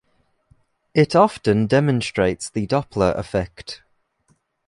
It often demonstrates the Doppler effect.